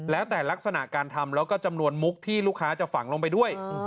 แล้วแต่ลักษณะการทำแล้วก็จำนวนมุกที่ลูกค้าจะฝังลงไปด้วย